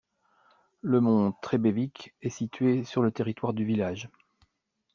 Le mont Trebević est situé sur le territoire du village.